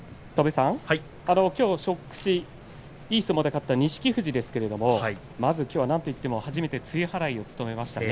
初口、いい相撲で勝った錦富士ですがまずきょうはなんといっても初めて露払いを務めました。